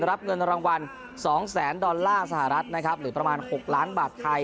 รับเงินรางวัล๒แสนดอลลาร์สหรัฐนะครับหรือประมาณ๖ล้านบาทไทย